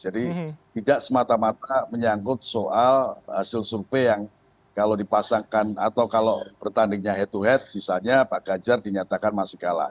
jadi tidak semata mata menyangkut soal hasil survei yang kalau dipasangkan atau kalau pertandingnya head to head misalnya pak ganjar dinyatakan masih kalah